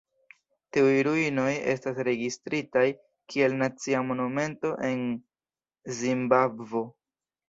Tiuj ruinoj estas registritaj kiel nacia monumento en Zimbabvo.